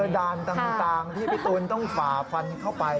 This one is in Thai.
ด่านต่างที่พี่ตูนต้องฝ่าฟันเข้าไป